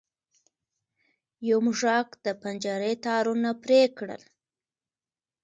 یو موږک د پنجرې تارونه پرې کړل.